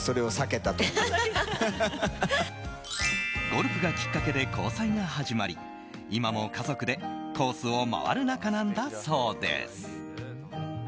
ゴルフがきっかけで交際が始まり今も家族でコースを回る仲なんだそうです。